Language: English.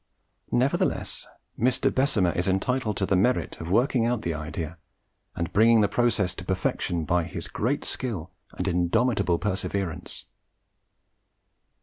Nevertheless, Mr. Bessemer is entitled to the merit of working out the idea, and bringing the process to perfection, by his great skill and indomitable perseverance.